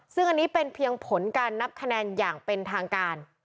ซึ่งอันนี้เป็นเพียงผลการนับคะแนนอย่างเป็นทางการ